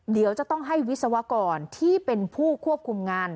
เดี๋ยวจะต้องให้วิศวกรที่เป็นผู้ควบคุมงาน